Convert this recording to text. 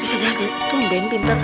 bisa jadi itu mimpin